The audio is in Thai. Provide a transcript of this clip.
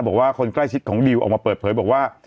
บอกว่าคนใกล้ชิดของดิวออกมาเปิดเผยบอกว่า